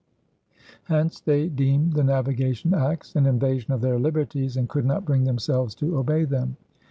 Hence they deemed the navigation acts an invasion of their liberties and could not bring themselves to obey them.